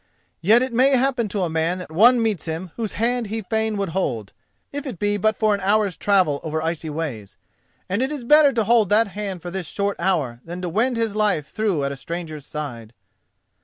Yet it may happen to a man that one meets him whose hand he fain would hold, if it be but for an hour's travel over icy ways; and it is better to hold that hand for this short hour than to wend his life through at a stranger's side."